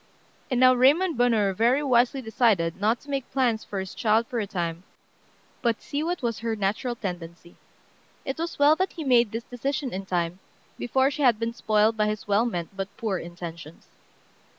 And now Raymond Bonheur very wisely decided not to make plans for his child for a time, but see what was her natural tendency. It was well that he made this decision in time, before she had been spoiled by his well meant but poor intentions.